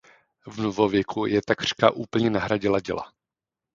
V novověku je takřka úplně nahradila děla.